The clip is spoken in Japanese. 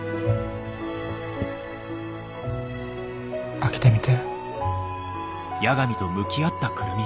開けてみて。